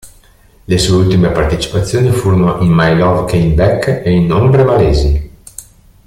Le sue ultime partecipazioni furono in "My Love Came Back" e in "Ombre malesi".